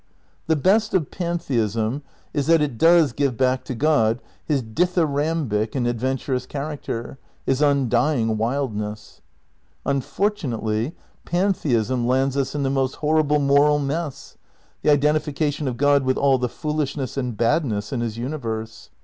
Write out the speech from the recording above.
The best of Pantheism is that it does give back to God his dithyrambic and adventurous character, his im dying wHdness. Unfortunately, pantheism lands us in the most hor rible moral mess. The identification of God with aU the foolishness and badness in his universe.